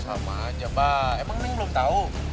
sama aja pak emang neng belum tahu